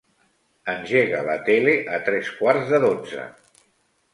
Engega la tele a tres quarts de dotze.